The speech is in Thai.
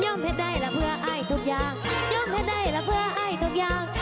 ย่อมให้ได้ละเพื่ออายทุกอย่างย่อมให้ได้ละเพื่ออายทุกอย่าง